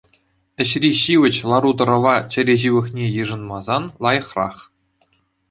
Ӗҫри ҫивӗч лару-тӑрӑва чӗре ҫывӑхне йышӑнмасан лайӑхрах.